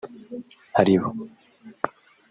aribo